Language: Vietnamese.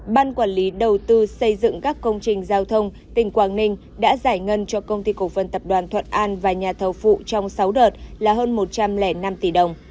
ban quản lý đầu tư xây dựng các công trình giao thông tỉnh quảng ninh đã giải ngân cho công ty cổ phần tập đoàn thuận an và nhà thầu phụ trong sáu đợt là hơn một trăm linh năm tỷ đồng